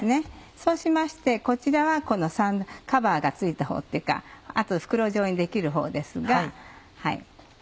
そうしましてこちらはカバーが付いたほうっていうか袋状にできるほうですが。